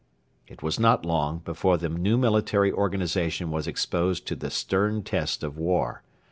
It was not long before the new military organisation was exposed to the stern test of war.